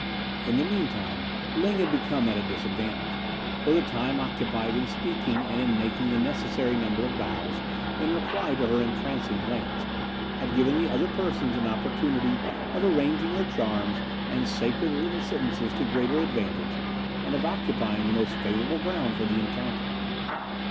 In the meantime Ling had become at a disadvantage, for the time occupied in speaking and in making the necessary number of bows in reply to her entrancing glance had given the other persons an opportunity of arranging their charms and sacred written sentences to greater advantage, and of occupying the most favourable ground for the encounter.